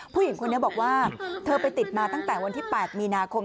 ผู้หญิงคนนี้บอกว่าเธอไปติดมาตั้งแต่วันที่๘มีนาคม